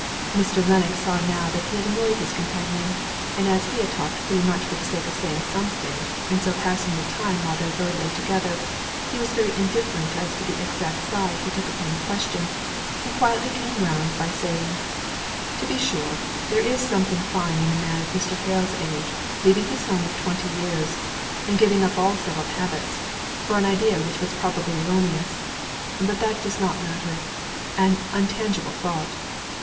Mr. Lennox saw now that he had annoyed his companion; and as he had talked pretty much for the sake of saying something, and so passing the time away while their road lay together, he was very indifferent as to the exact side he took upon the question, and quietly came round by saying: "To be sure, there is something fine in a man of Mr. Hale's age leaving his home of twenty years, and giving up all settled habits, for an idea which was probably erroneous but that does not matter an untangible thought.